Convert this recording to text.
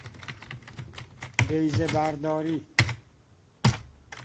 بیضه برداری